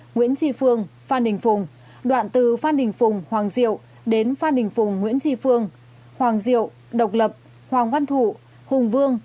nguyễn tri phương phan đình phùng đoạn từ phan đình phùng hoàng diệu đến phan đình phùng nguyễn tri phương hoàng diệu độc lập hoàng văn thụ hùng vương